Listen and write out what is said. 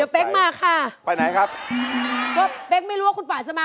เป๊กมาค่ะไปไหนครับก็เป๊กไม่รู้ว่าคุณป่าจะมา